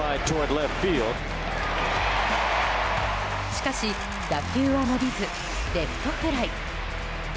しかし、打球は伸びずレフトフライ。